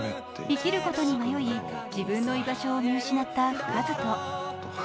生きることに迷い、自分の居場所を見失った和人。